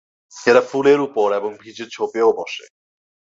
এরা ফুলের উপর এবং ভিজে ছোপ এও বসে।